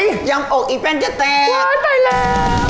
ยำอกอีแป้นจะแตกตายแล้ว